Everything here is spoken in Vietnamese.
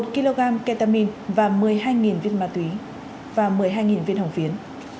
một kg ketamine và một mươi hai viên hồng phiến